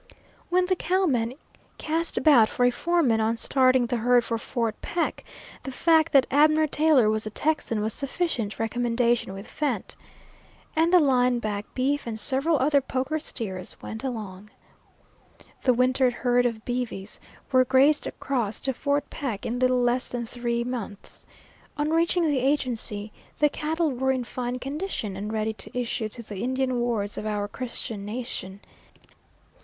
When the cowman cast about for a foreman on starting the herd for Fort Peck, the fact that Abner Taylor was a Texan was sufficient recommendation with Fant. And the line back beef and several other poker steers went along. The wintered herd of beeves were grazed across to Fort Peck in little less than three months. On reaching the agency, the cattle were in fine condition and ready to issue to the Indian wards of our Christian nation.